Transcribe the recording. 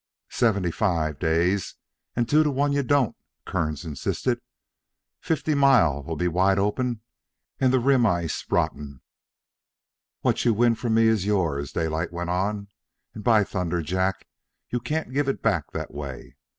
"Seventy five days, and two to one you don't," Kearns insisted. "Fifty Mile'll be wide open and the rim ice rotten." "What you win from me is yours," Daylight went on. "And, by thunder, Jack, you can't give it back that way.